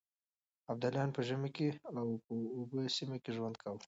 ابدالیانو په ژمي کې په اوبې سيمه کې ژوند کاوه.